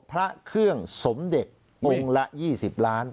พระเครื่องสมเด็จองค์ละ๒๐ล้าน